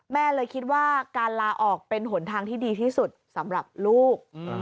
แม่เลยคิดว่าการลาออกเป็นหนทางที่ดีที่สุดสำหรับลูก